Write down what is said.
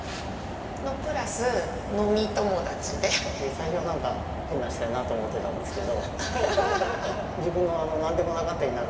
最初はなんか変な人やなと思ってたんですけど。